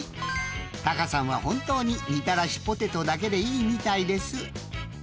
［タカさんは本当にみたらしポテトだけでいいみたいです］